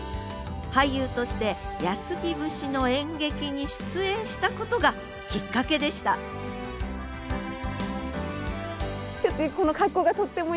俳優として「安来節」の演劇に出演したことがきっかけでした似合ってます